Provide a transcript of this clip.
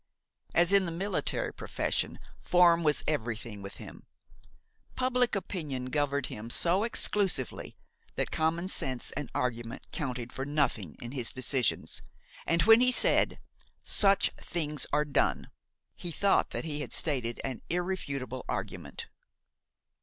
As in the military profession, form was everything with him. Public opinion governed him so exclusively that common sense and argument counted for nothing in his decisions, and when he said: "Such things are done," he thought that he had stated an irrefutable argument.